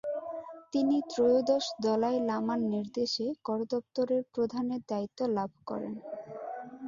তিনি ত্রয়োদশ দলাই লামার নির্দেশে করদপ্তরের প্রধানের দায়িত্ব লাভ করেন।